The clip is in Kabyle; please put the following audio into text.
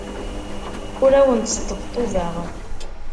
Ur awent-sṭebṭubeɣ.